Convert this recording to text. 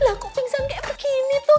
lah aku pingsan kayak begini tuh